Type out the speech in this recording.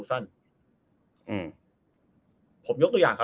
อืม